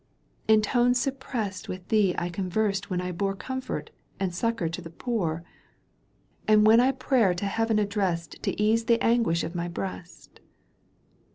^ tones suppressed With thee I conversed when I bore Comfort and succour to the poor, And when I prayer to Heaven addressed To ease the anguish of my breast.